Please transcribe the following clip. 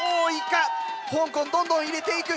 香港どんどん入れていく。